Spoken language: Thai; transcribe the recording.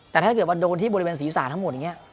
แต่ถ้าเกิดว่าโดนที่บริเวณศีรษะทั้งหมดอย่างนี้